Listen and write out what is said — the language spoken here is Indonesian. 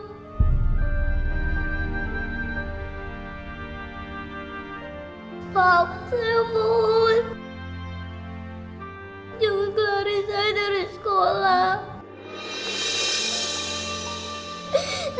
bapak saya mau ke sekolah